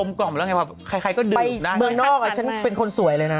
มันนอกก็เป็นคนสวยะนะ